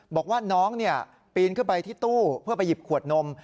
บอกว่าน้องปีนขึ้นไปที่ตู้เพื่อไปหยิบขวดนม